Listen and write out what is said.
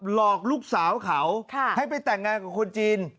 หลอกลูกสาวเขาให้ไปแต่งงานกับคนจีน